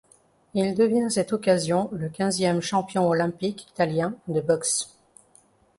Il devient à cette occasion le quinzième champion olympique italien de boxe.